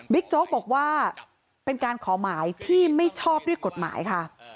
โจ๊กบอกว่าเป็นการขอหมายที่ไม่ชอบด้วยกฎหมายค่ะ